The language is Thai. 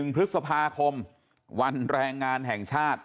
๑พฤษภาคมวันแรงงานแห่งชาติ